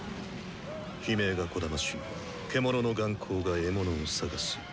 悲鳴がこだまし獣の眼光が獲物を探す。